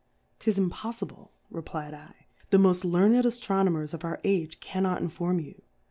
'Tis impoffible, refifdl^ the moft learned Aftronomers of our Age cannot inform you.